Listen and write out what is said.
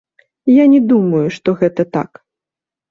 Я не думаю, што гэта так.